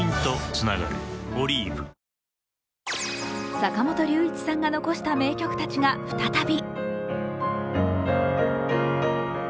坂本龍一さんが残した名曲たちが再び。